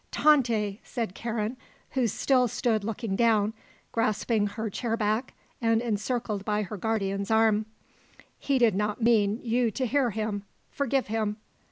"Tante," said Karen, who still stood looking down, grasping her chair back and encircled by her guardian's arm, "he did not mean you to hear him. Forgive him."